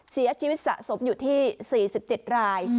เสียชีวิตสะสมอยู่ที่๔๗ราย